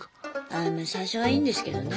あま最初はいいんですけどね